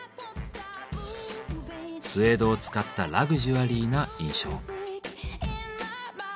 スエードを使ったラグジュアリーな印象。